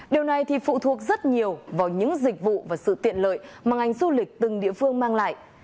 điều này thì phụ thuộc rất nhiều vào những dịch vụ và sự tiện lợi mà ngành du lịch từng địa phương mang lại